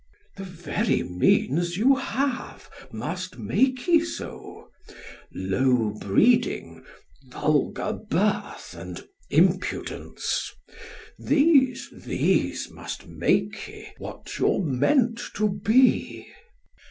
DEM. The very means you have, must make ye so, Low breeding, vulgar birth, and impudence, These, these must make ye, what you're meant to be.